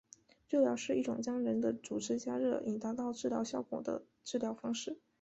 热疗是一种将人的组织加热以达到治疗的效果的治疗方式。